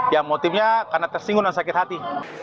ya motifnya karena tersinggung dan sakit hati